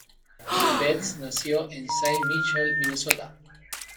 Betts nació en Saint Michael, Minnesota.